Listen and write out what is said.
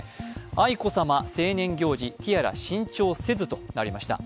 愛子さま、成年行事、ティアラ新調せずとなりました。